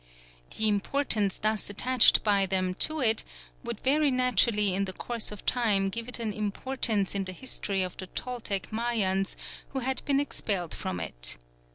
The importance thus attached by them to it would very naturally in the course of time give it an importance in the history of the Toltec Mayans who had been expelled from it.